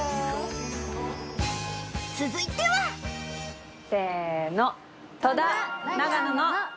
続いてはせの。